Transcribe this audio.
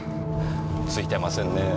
ツイてませんねぇ。